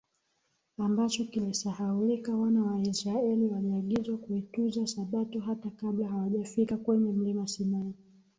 ambacho kilisahaulika Wana wa Israeli waliagizwa kuitunza Sabato hata kabla hawajafika kwenye Mlima Sinai